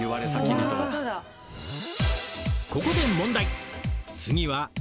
ここで問題。